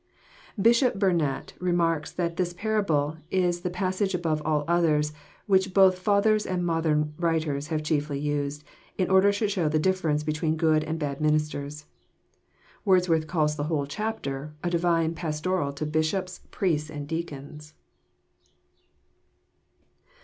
Bishop Burnet remarks that this parable is the passage above all others which both Fathers and modern writers have chiefly used, in order to show the difference between good and bad ministers. Wordsworth calls the whole chapter " a divine pas toral to bisfiops, priests, and deacons."